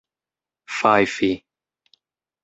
fajfi